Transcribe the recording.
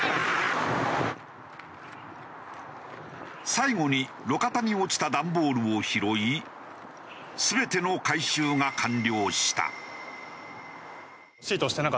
最後に路肩に落ちた段ボールを拾い全ての回収が完了した。